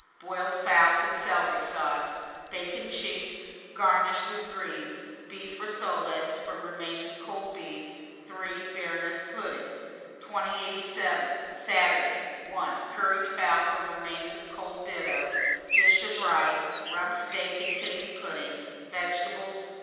Boiled fowls and celery sauce; bacon check, garnished with greens; beef rissoles, from remains of cold beef. 3. Baroness pudding. 2087. Saturday. 1. Curried fowl, from remains of cold ditto; dish of rice, Rump steak and kidney pudding, vegetables.